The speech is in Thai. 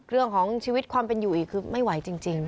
เรื่องของชีวิตความเป็นอยู่อีกคือไม่ไหวจริง